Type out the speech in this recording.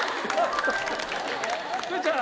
哲ちゃん。